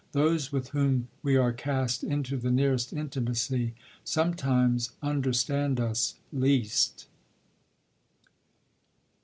Those with whom we are cast into the nearest intimacy sometimes understand us least.